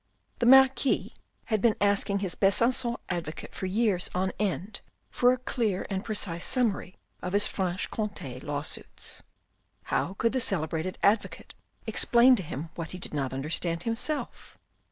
The Marquis had been asking his Besancon advocate for years on end for a clear and precise summary of his Franche Comte lawsuits. How could the celebrated advocate explain to him what he did not understand himself?